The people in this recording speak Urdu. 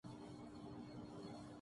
جھوٹ بولنا کبیرہ گناہ ہے